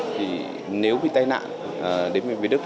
thì nếu bị tai nạn đến với việt đức